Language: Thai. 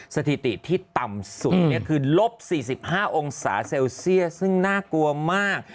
สถิติที่ต่ำสุดคือลบ๔๕องศาเซลเซียสซึ่งน่ากลัวมาก